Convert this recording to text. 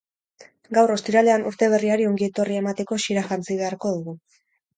Gaur, ostiralean, urte berriari ongi etorria emateko xira jantzi beharko dugu.